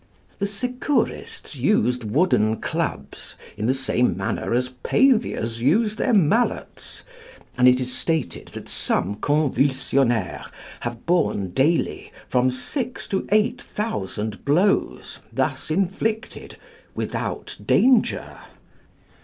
The Secourists used wooden clubs in the same manner as paviors use their mallets, and it is stated that some Convulsionnaires have borne daily from six to eight thousand blows thus inflicted without danger.